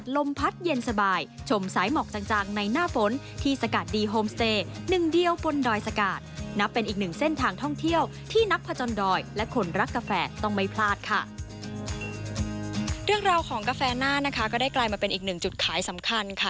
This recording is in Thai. เรื่องราวของกาแฟหน้านะคะก็ได้กลายมาเป็นอีกหนึ่งจุดขายสำคัญค่ะ